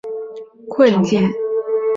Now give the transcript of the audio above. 中华民国外交陷入困境。